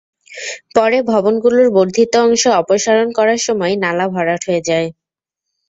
পরে ভবনগুলোর বর্ধিত অংশ অপসারণ করার সময় নালা ভরাট হয়ে যায়।